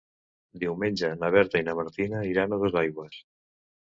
Diumenge na Berta i na Martina iran a Dosaigües.